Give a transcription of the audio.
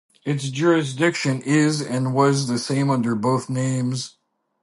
Its jurisdiction is and was the same under both names.